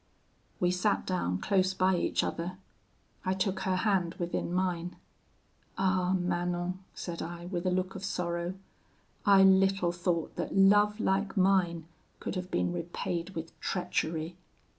"We sat down close by each other. I took her hand within mine, 'Ah! Manon,' said I, with a look of sorrow, 'I little thought that love like mine could have been repaid with treachery!